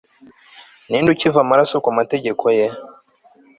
Ninde ukiva amaraso kumategeko ye